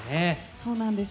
そうなんです。